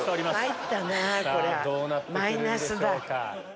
参ったなこりゃマイナスだ。